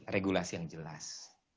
regulasi yang jelas